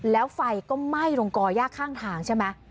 แล้วไฟก็ไหม้ลงก่อย่าข้างทางใช่ไหม